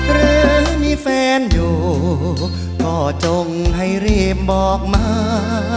หรือมีแฟนอยู่ก็จงให้รีบบอกมา